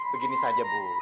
begini saja bu